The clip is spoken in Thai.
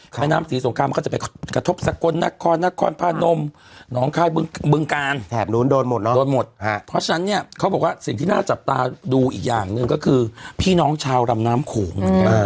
พอฉะนั้นเนี่ยเขาบอกว่าสิ่งที่น่าจะจับตาดูอีกอย่างเนี่ยก็คือพี่น้องชาวดำน้ำโขง